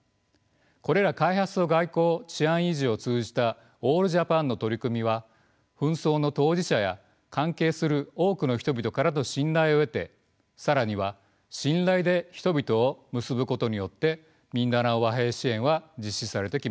これら開発と外交治安維持を通じたオールジャパンの取り組みは紛争の当事者や関係する多くの人々からの信頼を得て更には信頼で人々を結ぶことによってミンダナオ和平支援は実施されてきました。